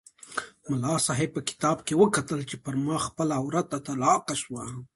ملا صاحب په کتاب کې وکتل چې پر ما خپله عورته طلاقه شوه.